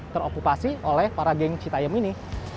teropupasi oleh para geng cita yang ini